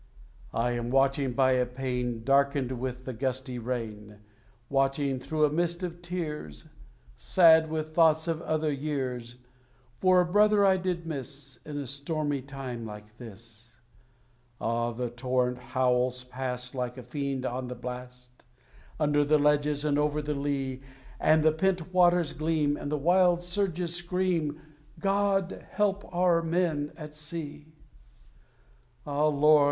I am watching by a pane Darkened with the gusty rain, Watching, through a mist of tears, Sad with thoughts of other years, For a brother I did miss In a stormy time like this. Ah! the torrent howls past, like a fiend on the blast, Under the ledges and over the lea; And the pent waters gleam, and the wild surges scream God help our men at sea! Ah, Lord!